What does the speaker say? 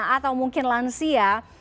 atau mungkin lansia